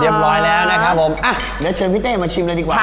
เรียบร้อยแล้วนะครับผมอ่ะเดี๋ยวเชิญพี่เต้มาชิมเลยดีกว่า